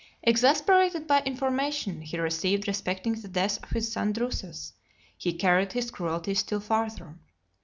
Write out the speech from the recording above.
LXII. Exasperated by information he received respecting the death of his son Drusus, he carried his cruelty still farther.